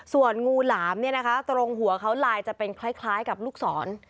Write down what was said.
ส่วนงูหลามเนี่ยนะคะตรงหัวเขาลายจะเป็นคล้ายกับลูกศร